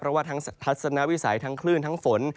เพราะว่าทั้งทัศนวิสัยทั้งคลื่นทั้งฝน